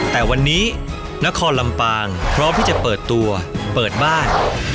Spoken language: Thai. แต่วันนี้นครลำปางพร้อมที่จะเปิดตัวเปิดบ้าน